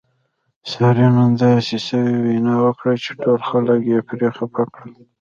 سارې نن داسې سوې وینا وکړله چې ټول خلک یې پرې خپه کړل.